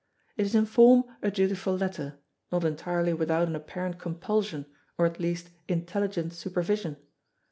It is in form a dutiful letter, not entirely without an apparent compulsion or at least intelligent supervision.